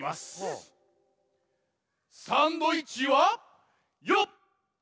サンドイッチはよっ！